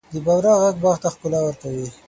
د بورا ږغ باغ ته ښکلا ورکوي.